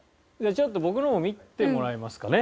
ちょっと僕のも見てもらいますかね